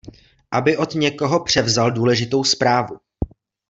Aby od někoho převzal důležitou zprávu.